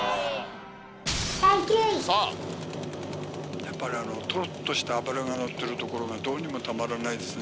やっぱり、とろっとした脂が乗ってるところがどうにもたまらないですね。